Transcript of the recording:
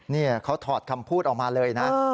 นี่เขาถอดคำพูดออกมาเลยนะ